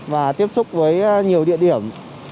và tiếp xúc với nhiều địa điểm